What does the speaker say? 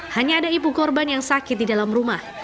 hanya ada ibu korban yang sakit di dalam rumah